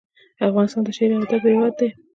افغانستان د شعر او ادب هیواد دی